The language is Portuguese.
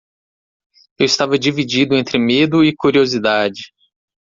Eu estava dividido entre medo e curiosidade.